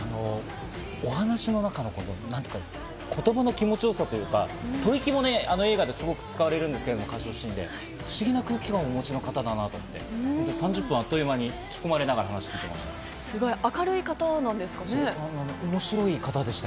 お話の中の言葉の気持ちよさというか、吐息も映画ですごく使われるんですけど、不思議な空気感をお持ちの方だなと思って３０分、あっという間に引き込まれながら終わりました。